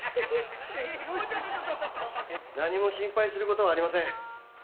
何も心配することはありません。